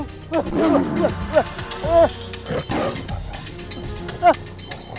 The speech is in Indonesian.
jangan lupa untuk mencoba